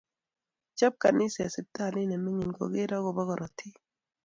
Kichop kaniset siptalit ne mingin keger akobo karotik